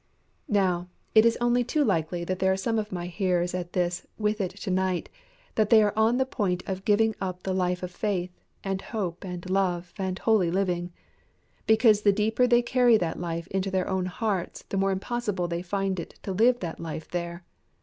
Now, it is only too likely that there are some of my hearers at this with it to night, that they are on the point of giving up the life of faith, and hope, and love, and holy living; because the deeper they carry that life into their own hearts the more impossible they find it to live that life there.